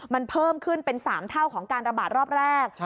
มันเพิ่มขึ้นเป็น๓เท่าของการระบาดรอบแรก